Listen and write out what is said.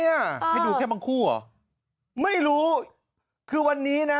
ให้ดูแค่บางคู่เหรอไม่รู้คือวันนี้นะ